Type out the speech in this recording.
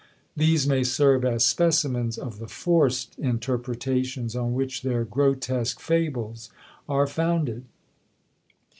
These may serve as specimens of the forced interpretations on which their grotesque fables are founded.